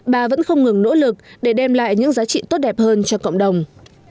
bà vẫn không ngừng nỗ lực để đem lại những giá trị tốt đẹp hơn cho cộng đồng